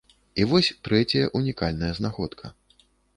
І вось трэцяя ўнікальная знаходка.